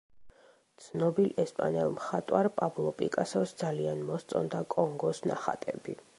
ცნობილ ესპანელ მხატვარ პაბლო პიკასოს ძალიან მოსწონდა კონგოს ნახატები.